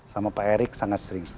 sama pak erick sangat sering